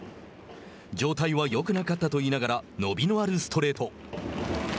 状態はよくなかったといいながら伸びのあるストレート。